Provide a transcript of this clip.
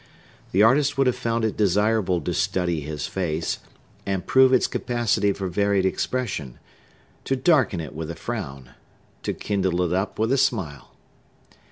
The artist would have found it desirable to study his face, and prove its capacity for varied expression; to darken it with a frown,—to kindle it up with a smile.